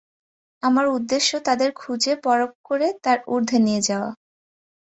আমার উদ্দেশ্য তাদের খুঁজে, পরখ করে, তার ঊর্ধ্বে নিয়ে যাওয়া।